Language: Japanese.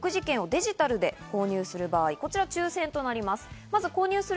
まず食事券をデジタルで購入する場合、こちら抽選となります。